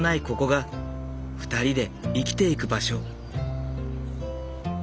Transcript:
ここが２人で生きていく場所。